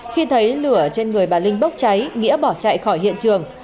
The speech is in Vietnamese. khi thấy lửa trên người bà linh bốc cháy nghĩa bỏ chạy khỏi hiện trường